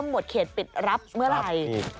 หมดเขตปิดรับเมื่อไหร่